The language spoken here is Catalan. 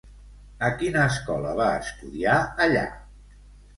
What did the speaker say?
A quina escola va estudiar allà?